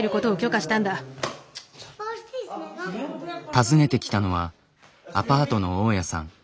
訪ねてきたのはアパートの大家さん。